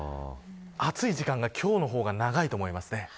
暑い時間が今日の方が長いと思います。